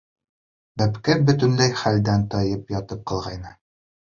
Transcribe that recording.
Бәпкә бөтөнләй хәлдән тайып ятып ҡалғайны.